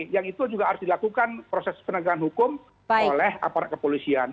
yang itu juga harus dilakukan proses penegakan hukum oleh aparat kepolisian